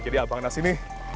jadi abang nas ini